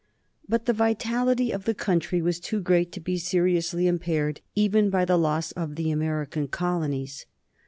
But the vitality of the country was too great to be seriously impaired even by the loss of the American colonies.